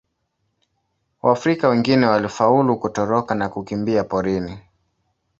Waafrika wengine walifaulu kutoroka na kukimbia porini.